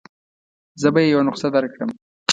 زه به يې یوه نسخه درکړم.